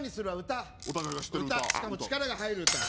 歌しかも力が入る歌